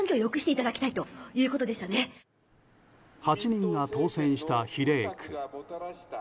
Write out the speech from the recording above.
８人が当選した比例区。